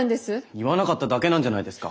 言わなかっただけなんじゃないですか？